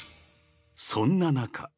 ［そんな中］